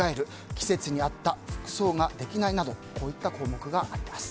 季節に合った服装ができないなどこういった項目があります。